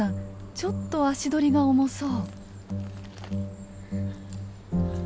ちょっと足取りが重そう。